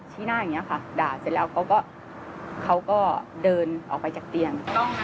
ชี้หน้าอย่างนี้ค่ะด่าเสร็จแล้วก็เขาก็เดินออกไปจากเตียง